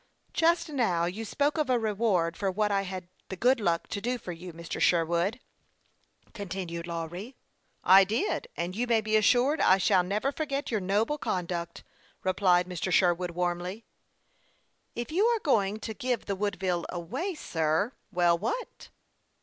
" Just now you spoke of a reward for what I had the good luck to do for you, Mr. Sherwood," con tinued Lawry, timidly. " I did ; and you may be assured I shall never forget your noble conduct," replied Mr. Sherwood, warmly. " If you are going to give the "Woodville away, sir, "" Well, what